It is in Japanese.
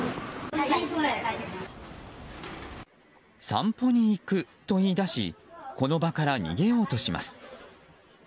散歩に行くと言い出しこの場から逃げようとします。